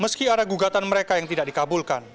meski ada gugatan mereka yang tidak dikabulkan